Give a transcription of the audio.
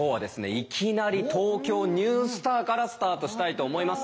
いきなり「ＴＯＫＹＯニュースター」からスタートしたいと思います。